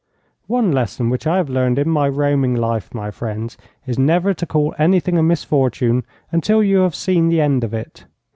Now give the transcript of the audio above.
One lesson which I have learned in my roaming life, my friends, is never to call anything a misfortune until you have seen the end of it.